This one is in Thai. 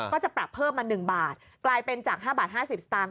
ก็จะปรับเพิ่มมา๑บาทกลายเป็นจาก๕บาท๕๐สตางค